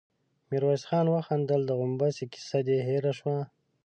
ميرويس خان وخندل: د غومبسې کيسه دې هېره شوه؟